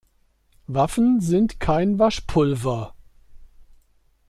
Waffen sind kein Waschpulver.